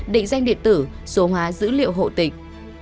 định danh điện tử số hóa dữ liệu hộ tịch